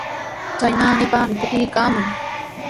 Chay naanipami kutiykaamun.